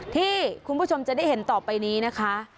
ที่คุณผู้ชมจะได้เห็นต่อไปนี้นะคะ